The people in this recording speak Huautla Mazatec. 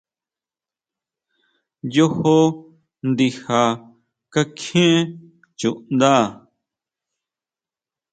Yojo ndija kakjién chuʼnda.